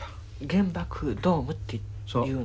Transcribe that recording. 原爆ドームって言うの？